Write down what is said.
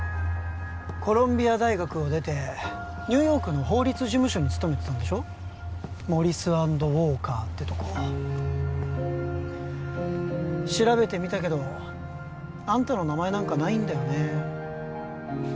コロンビア大学を出てニューヨークの法律事務所に勤めてたんでしょモリス＆ウォーカーってとこ調べてみたけどあんたの名前なんかないんだよね